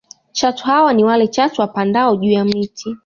Chatu hawa ni wale chatu wapandao juu ya miti